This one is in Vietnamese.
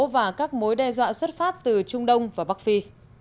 và các mối đe dọa xuất phát từ trung đông và bắc phi